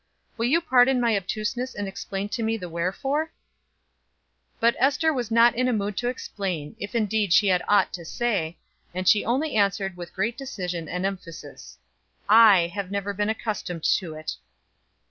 Will you pardon my obtuseness and explain to me the wherefore?" But Ester was not in a mood to explain, if indeed she had aught to say, and she only answered with great decision and emphasis: "I have never been accustomed to it."